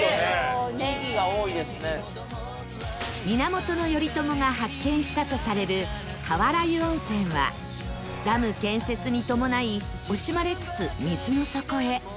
源頼朝が発見したとされる川原湯温泉はダム建設に伴い惜しまれつつ水の底へ